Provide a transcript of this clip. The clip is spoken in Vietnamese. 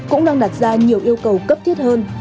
cũng đang đặt ra nhiều yêu cầu cấp thiết hơn